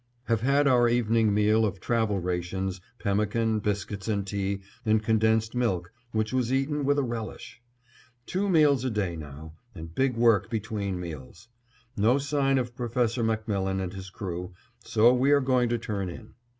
Have had our evening meal of travel rations; pemmican, biscuits, and tea and condensed milk, which was eaten with a relish. Two meals a day now, and big work between meals. No sign of Professor MacMillan and his crew, so we are going to turn in.